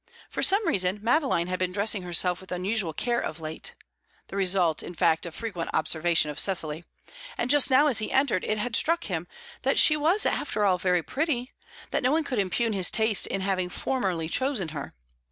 For some reason, Madeline had been dressing herself with unusual care of late (the result, in fact, of frequent observation of Cecily), and just now, as he entered, it had struck him that she was after all very pretty, that no one could impugn his taste in having formerly chosen her.